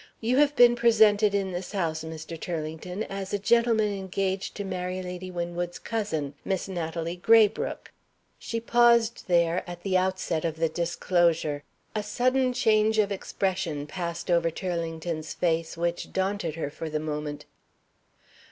"You have been presented in this house, Mr. Turlington, as a gentleman engaged to marry Lady Winwood's cousin. Miss Natalie Graybrooke." She paused there at the outset of the disclosure. A sudden change of expression passed over Turlington's face, which daunted her for the moment.